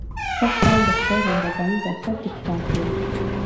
سږ کال د خدای مهرباني ده، ښه ټیک ټاک یم.